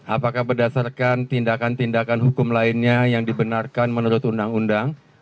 apakah berdasarkan tindakan tindakan hukum lainnya yang dibenarkan menurut undang undang